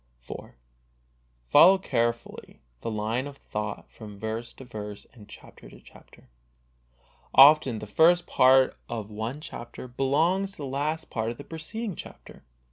IV. Follow carefully the line of thought from verse to verse and chapter to chapter. Often the first part of one chapter belongs to the last part of the preceding chapter.